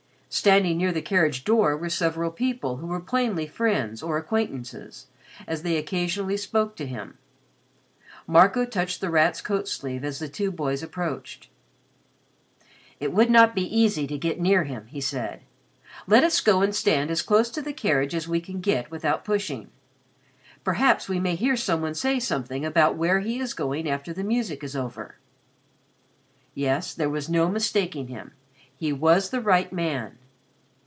Standing near the carriage door were several people who were plainly friends or acquaintances, as they occasionally spoke to him. Marco touched The Rat's coat sleeve as the two boys approached. "It would not be easy to get near him," he said. "Let us go and stand as close to the carriage as we can get without pushing. Perhaps we may hear some one say something about where he is going after the music is over." Yes, there was no mistaking him. He was the right man.